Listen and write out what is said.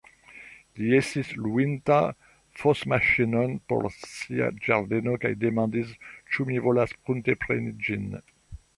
Li estis luinta fosmaŝinon por sia ĝardeno kaj demandis, ĉu mi volas pruntepreni ĝin.